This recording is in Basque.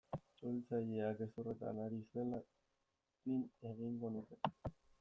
Suhiltzailea gezurretan ari zela zin egingo nuke.